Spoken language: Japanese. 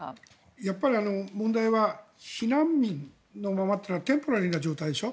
やっぱり問題は避難民のままというのはテンポラリーな状態でしょ。